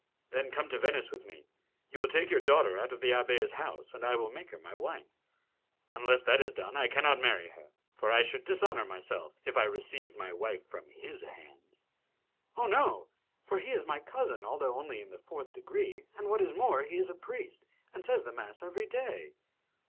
"Then come to Venice with me. You will take your daughter out of the abbé's house, and I will make her my wife. Unless that is done I cannot marry her, for I should dishonour myself if I received my wife from his hands." "Oh, no! for he is my cousin, although only in the fourth degree, and, what is more, he is a priest and says the mass every day."